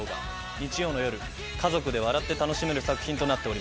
日曜の夜家族で笑って楽しめる作品となっております。